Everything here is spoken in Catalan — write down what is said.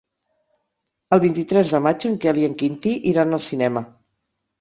El vint-i-tres de maig en Quel i en Quintí iran al cinema.